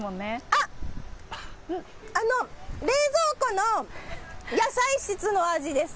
あっ、あの、冷蔵庫の野菜室の味です。